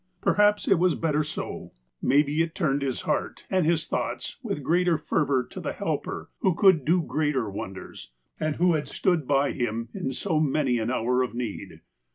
Perhaps it was better so. 238 THE APOSTLE OF ALASKA Maybe it turned his heart, and his thoughts, with greater fervour to the Helper who could do greater wonders, and who had stood by him in so many an hour of need.